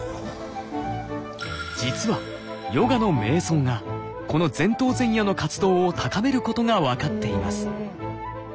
実はヨガの瞑想がこの前頭前野の活動を高めることが分かっています。